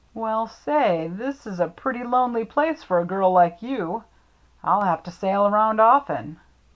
" Well, say, this is a pretty lonely place for a girl like you. I'll have to sail around often."